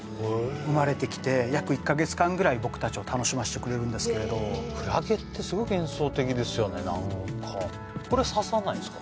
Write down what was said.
生まれてきて約１カ月間ぐらい僕たちを楽しませてくれるんですけれどクラゲってすごい幻想的ですよね何かこれ刺さないんですか？